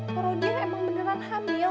koro dia emang beneran hamil